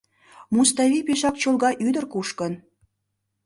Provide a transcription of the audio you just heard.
— Муставий пешак чолга ӱдыр кушкын...